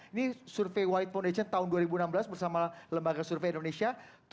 ini survei white foundation tahun dua ribu enam belas bersama lembaga survei indonesia